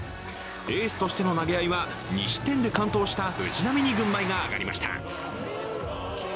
エースとしての投げ合いは２失点で完投した藤波に軍配が上がりました。